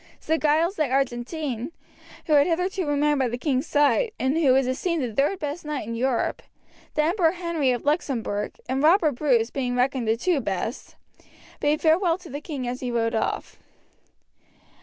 Sir Giles de Argentine, who had hitherto remained by the king's side, and who was esteemed the third best knight in Europe the Emperor Henry of Luxemberg and Robert Bruce being reckoned the two best bade farewell to the king as he rode off.